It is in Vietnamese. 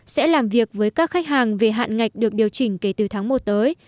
sẽ làm việc với các khách hàng về hạn ngạch được điều chỉnh kể từ tháng một tới